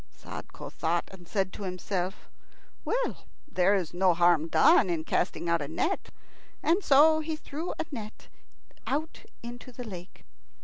Sadko thought, and said to himself: "Well, there is no harm done in casting out a net." So he threw a net out into the lake.